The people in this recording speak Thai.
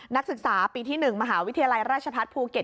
นักศึกษาปีที่หนึ่งมศรพาร้าชพลภูเกต